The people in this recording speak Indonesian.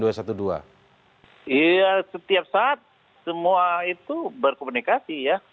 iya setiap saat semua itu berkomunikasi ya